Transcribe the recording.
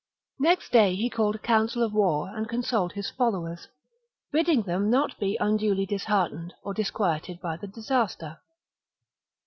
Next day he called a council of war and verdnge consoled his followers, bidding them not be unduly promises to disheartened or disquieted by the disaster.